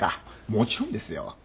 もちろんですよ。